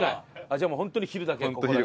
じゃあもうホントに昼だけ？